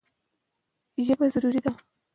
د پښتو ژبې کلتور زموږ د هویت ستنه ده.